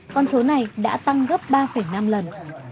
con số này đã tăng gấp ba năm lần